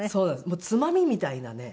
もうつまみみたいなね。